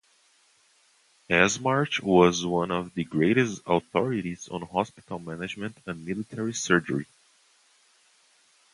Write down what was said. Esmarch was one of the greatest authorities on hospital management and military surgery.